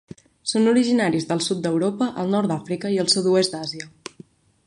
Són originaris del sud d'Europa, el nord de l'Àfrica i sud-oest d'Àsia.